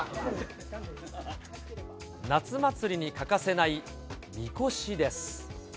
夏祭りに欠かせないみこしです。